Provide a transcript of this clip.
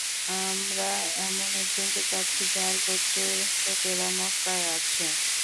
আমরা এমন একজনকে চাচ্ছি, যার গোত্রের লোকেরা মক্কায় আছে।